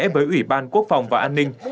với ủy ban quốc phòng và an ninh